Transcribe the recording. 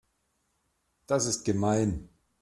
Das ist gemein.